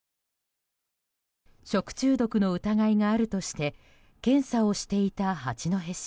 食中毒の疑いがあるとして検査をしていた八戸市。